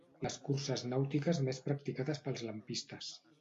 Les curses nàutiques més practicades pels lampistes.